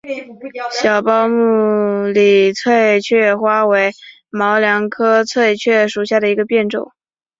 小苞木里翠雀花为毛茛科翠雀属下的一个变种。